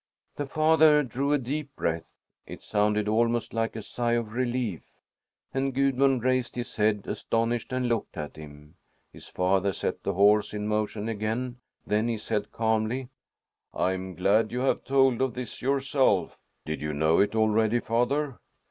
The father drew a deep breath. It sounded almost like a sigh of relief, and Gudmund raised his head, astonished, and looked at him. His father set the horse in motion again; then he said calmly, "I'm glad you have told of this yourself." "Did you know it already, father?"